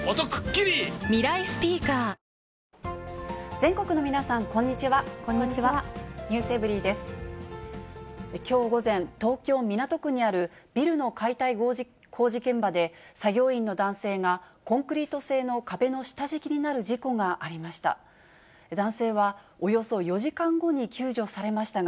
きょう午前、東京・港区にあるビルの解体工事現場で、作業員の男性がコンクリート製の壁の下敷きになる事故がありました。